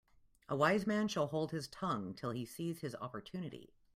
A wise man shall hold his tongue till he sees his opportunity.